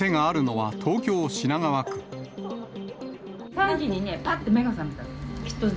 ３時にね、ぱっと目が覚めたの。